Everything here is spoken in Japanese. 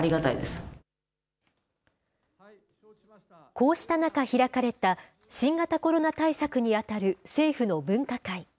こうした中、開かれた新型コロナ対策に当たる政府の分科会。